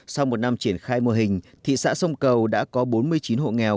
sau một năm triển khai mô hình thị xã sông cầu đã có bốn mươi chín hộ nghèo